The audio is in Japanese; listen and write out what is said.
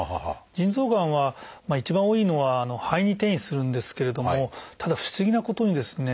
腎臓がんは一番多いのは肺に転移するんですけれどもただ不思議なことにですね